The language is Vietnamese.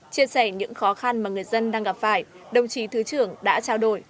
chia sẻ những khó khăn mà người dân đang gặp phải đồng chí thứ trưởng đã trao đổi